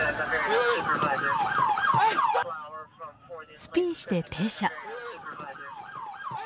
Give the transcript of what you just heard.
スピンして停車。